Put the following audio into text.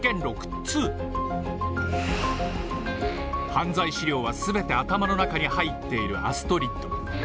犯罪資料はすべて頭の中に入っているアストリッド。